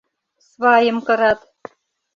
Свайым кырат.